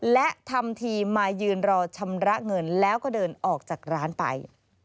และทำทีมายืนรอชำระเงินแล้วก็เดินออกจากร้านไป